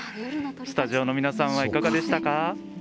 スタジオの皆さんはいかがでしたか？